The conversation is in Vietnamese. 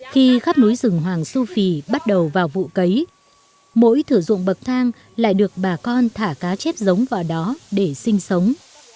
khi khắp núi rừng hoàng su phi bắt đầu vào vụ cấy mỗi thử dụng bậc thang lại được bà con thả cá chép giống vào đó để sinh sống